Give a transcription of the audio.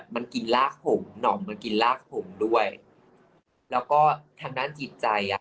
มันกินรากกลิ่นหลังผมด้วยแล้วก็ทางด้านปกติใจ